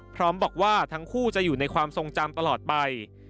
พร้อมบอกว่าทั้งคู่จะอยู่ในความทรงจำตลอดไป